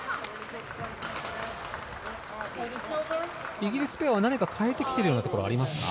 イギリスペアは何か変えてきているようなところありますか？